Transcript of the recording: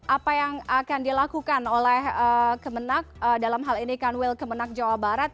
apa yang akan dilakukan oleh kemenak dalam hal ini kan will kemenak jawa barat